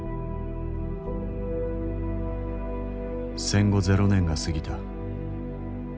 戦後ゼロ年が過ぎた。